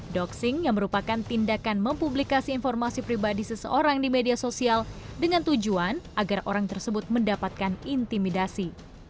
doxing yang merupakan tindakan mempublikasi informasi pribadi seseorang di media sosial dengan tujuan agar orang tersebut mendapatkan intimidasi